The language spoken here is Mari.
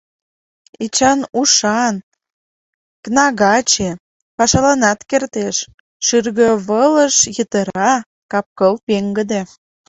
Эчан ушан, кнагаче, пашаланат кертеш, шӱргывылыш йытыра, кап-кыл пеҥгыде!